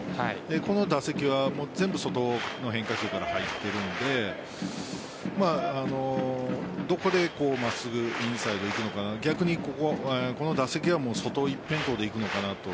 この打席は全部外の変化球から入っているのでどこで真っすぐインサイドでいくのかなと逆にこの打席は外一辺倒でいくのかなと。